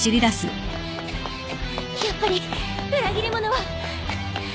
やっぱり裏切り者は彼女！